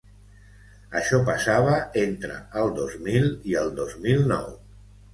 Això passava entre el dos mil u i el dos mil nou.